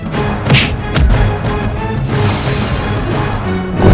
atau tentang kakaknya